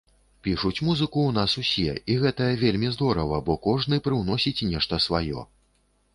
Пішуць музыку ў нас усе, і гэта вельмі здорава, бо кожны прыўносіць нешта сваё.